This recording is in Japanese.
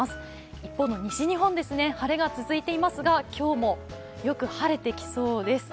一方の西日本です、晴れが続いていますが今日もよく晴れてきそうです。